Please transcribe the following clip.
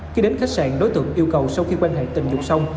khi đến khách sạn đối tượng yêu cầu sau khi quan hệ tình dục xong